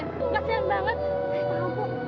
saya mau bawa dia ke rumah sakit